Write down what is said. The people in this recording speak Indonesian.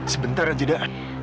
sebentar aja da